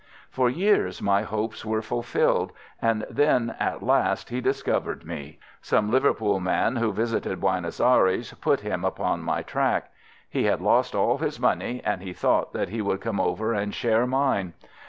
"For years my hopes were fulfilled, and then at last he discovered me. Some Liverpool man who visited Buenos Ayres put him upon my track. He had lost all his money, and he thought that he would come over and share mine.